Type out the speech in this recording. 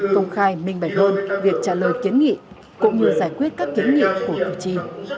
công khai minh bạch hơn việc trả lời kiến nghị cũng như giải quyết các kiến nghị của cử tri